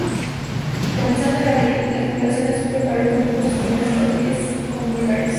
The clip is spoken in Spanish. Comenzando en abril, la tripulación azul preparó y condujo sus primeras patrullas con Polaris.